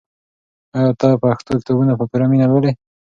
آیا ته پښتو کتابونه په پوره مینه لولې؟